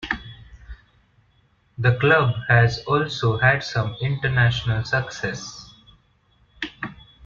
The club has also had some international success.